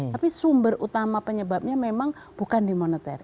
tapi sumber utama penyebabnya memang bukan di moneter